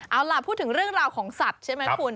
เอาล่ะพูดถึงเรื่องราวของสัตว์ใช่ไหมคุณ